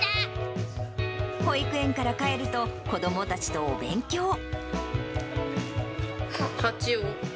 保育園から帰ると、子どもたちとお勉強。